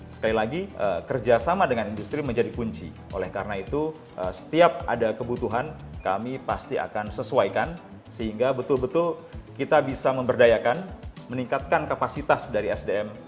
sekali lagi kerjasama dengan industri menjadi kunci oleh karena itu setiap ada kebutuhan kami pasti akan sesuaikan sehingga betul betul kita bisa memberdayakan meningkatkan kapasitas dari sdm